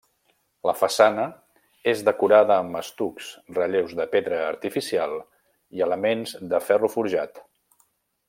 La façana és decorada amb estucs, relleus de pedra artificial i elements de ferro forjat.